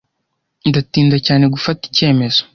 Ndatinda cyane gufata icyemezo.